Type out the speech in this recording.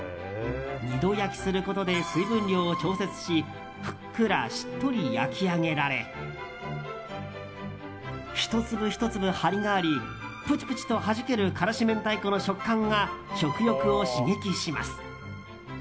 二度焼きすることで水分量を調節しふっくら、しっとり焼き上げられ１粒１粒、張りがありプチプチとはじける辛子明太子の食感が食欲を刺激します。